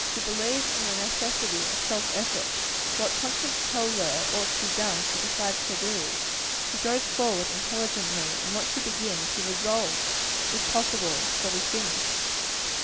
She believes in the necessity of self effort. What conscience tells her ought to be done, she decides to do. She goes forward intelligently and what she begins, she resolves, if possible, shall be finished.